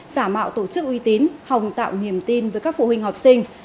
giả mạo tổ chức uy tín hồng tạo niềm tin với các phụ huynh học sinh